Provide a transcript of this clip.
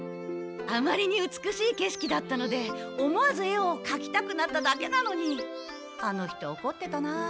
あまりに美しい景色だったので思わず絵をかきたくなっただけなのにあの人おこってたなあ。